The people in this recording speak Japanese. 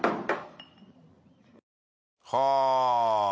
はあ！